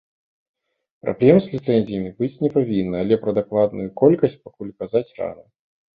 Праблем з ліцэнзіямі быць не павінна, але пра дакладную колькасць пакуль казаць рана.